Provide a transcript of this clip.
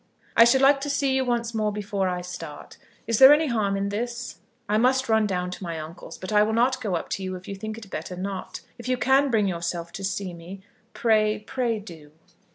I should like to see you once more before I start. Is there any harm in this? I must run down to my uncle's, but I will not go up to you if you think it better not. If you can bring yourself to see me, pray, pray do.